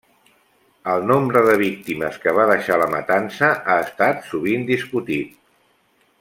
El nombre de víctimes que va deixar la matança ha estat sovint discutit.